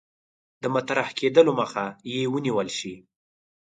د مطرح کېدلو مخه یې ونیول شي.